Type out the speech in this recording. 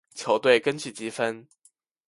球队根据积分。